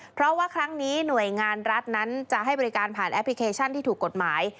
เพราะว่าครั้งนี้หน่วยงานรัฐนั้นจะให้บริการผ่านแอปพลิเคชันที่ถูกกฎหมาย